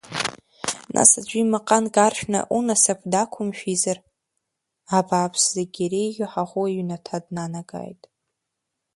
Нас, аӡәы имаҟа нкаршәны унасыԥ дақәымшәизар, абааԥс, зегьы иреиӷьу ҳаӷоу иҩнаҭа днанагааит.